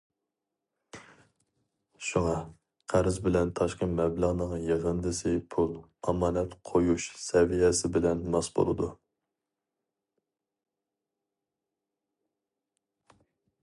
شۇڭا، قەرز بىلەن تاشقى مەبلەغنىڭ يىغىندىسى پۇل ئامانەت قويۇش سەۋىيەسى بىلەن ماس بولىدۇ.